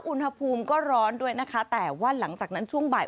อุณหภูมิก็ร้อนด้วยนะคะแต่ว่าหลังจากนั้นช่วงบ่าย